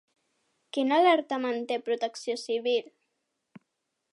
Quina alerta manté Protecció Civil?